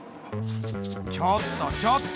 ちょっとちょっと！